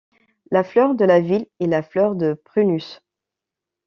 La fleur de la ville est la fleur de prunus.